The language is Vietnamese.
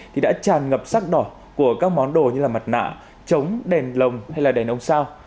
thì đã tràn ngập sắc đỏ của các món đồ như là mặt nạ trống đèn lồng hay là đèn ông sao